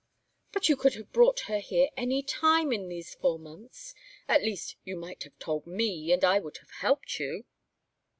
"But you could have brought her here any time in these four months at least, you might have told me and I would have helped you."